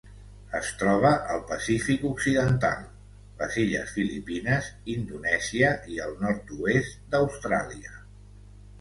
Es troba al Pacífic occidental: les illes Filipines, Indonèsia i el nord-oest d'Austràlia.